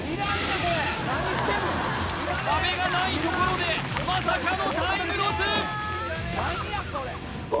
壁がないところでまさかのタイムロス！